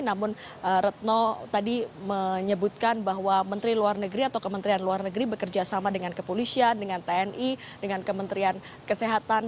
namun retno tadi menyebutkan bahwa menteri luar negeri atau kementerian luar negeri bekerja sama dengan kepolisian dengan tni dengan kementerian kesehatan